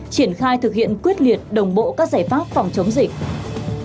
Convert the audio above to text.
triển khai thực hiện quyết liệt đồng bộ các giải pháp phòng chống dịch